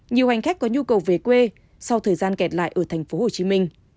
nhiều hành khách có nhu cầu về quê sau thời gian kẹt lại ở tp hcm